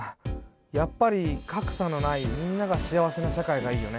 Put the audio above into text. やっぱり格差のないみんなが幸せな社会がいいよね。